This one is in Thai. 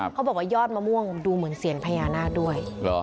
เขาบอกว่าก็ยอดมะม่วงดูเหมือนเขาเสียงพญานาคอยู่ด้วย